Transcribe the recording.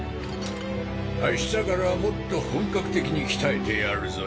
あしたからはもっと本格的に鍛えてやるぞい。